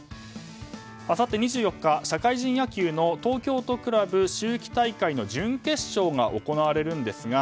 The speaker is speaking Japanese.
あさって２４日、社会人野球の東京都クラブ秋季大会の準決勝が行われるんですが